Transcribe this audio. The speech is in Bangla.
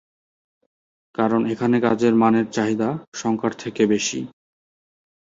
কারণ এখানে কাজের মানের চাহিদা, সংখ্যার থেকে বেশি।